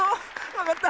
わかった。